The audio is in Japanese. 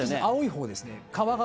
青いほうですね。